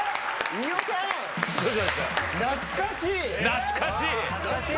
懐かしい。